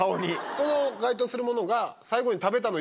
その該当するものが。